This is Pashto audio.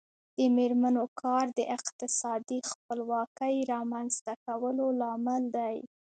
د میرمنو کار د اقتصادي خپلواکۍ رامنځته کولو لامل دی.